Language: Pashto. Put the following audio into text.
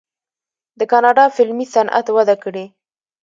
د کاناډا فلمي صنعت وده کړې.